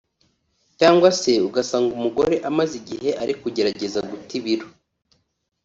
Cyangwa se ugasanga umugore amaze igihe ari kugerageza guta ibiro